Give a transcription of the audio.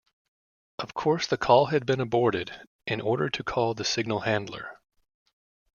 Of course the call had been aborted in order to call the signal handler.